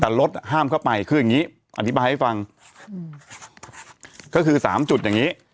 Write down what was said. แต่รถห้ามเข้าไปคืออย่างงี้อธิบายให้ฟังอืมก็คือสามจุดอย่างนี้